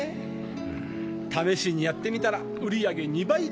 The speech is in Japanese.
試しにやってみたら売り上げ２倍ですよ。